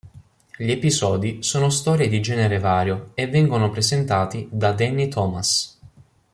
Gli episodi sono storie di genere vario e vengono presentati da Danny Thomas.